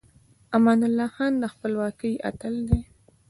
امان الله خان د خپلواکۍ اتل دی.